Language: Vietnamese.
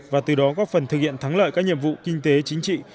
và từ đó góp phần thực hiện thắng lợi các nhiệm vụ kinh tế chính trị